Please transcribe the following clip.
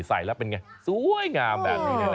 ใส่แล้วเป็นยังไงสวยงามแบบนี้เลยนะครับ